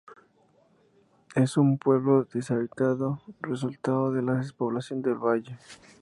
Es un pueblo deshabitado resultado de la despoblación del valle.